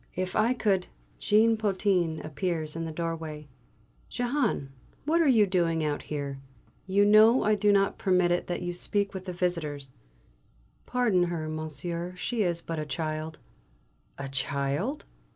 If I could " Jean Potin appears in the doorway. "Jehane, what are you doing out here? You know I do not permit it that you speak with the visitors. Pardon her, monsieur, she is but a child." "A child?"